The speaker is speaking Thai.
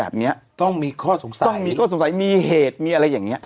แบบนี้ต้องมีข้อสงสัยต้องมีข้อสงสัยมีเหตุมีอะไรอย่างนี้